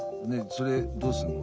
それどうすんの？